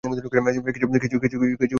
কিছু খরচ লাগবে।